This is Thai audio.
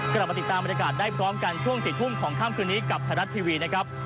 กลับมาติดตามบรรยากาศได้พร้อมกันช่วง๔ทุ่มของค่ำคืนนี้กับไทยรัฐทีวีนะครับ